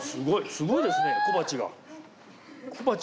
すごいですね小鉢が。